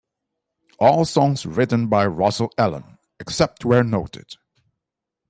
All songs written by Russell Allen, except where noted.